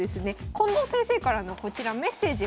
近藤先生からのこちらメッセージもございます。